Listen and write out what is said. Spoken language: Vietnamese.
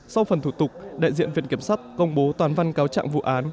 sau phần thủ tục đại diện viện kiểm sát công bố toàn văn cáo trạng vụ án